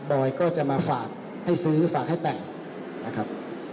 อยก็จะมาฝากให้ซื้อฝากให้แต่งนะครับ